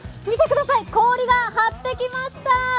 見てください、氷が張ってきました！